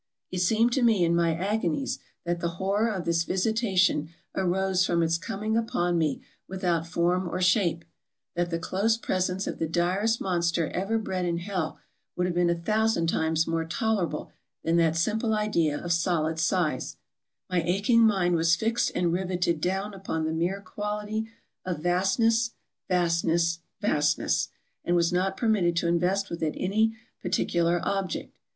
It seemed to me in my agonies, that the horror of this visitation arose from its com ing upon me without form or shape — that the close presence of the direst monster ever bred in hell would have been a thousand times more tolerable than that simple idea of solid size; my aching mind was fixed and riveted down upon the mere quality of vastness, vastness, vastness; and was not permitted to invest with it any particular object.